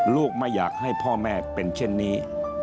ไม่อยากให้พ่อแม่เป็นเช่นนี้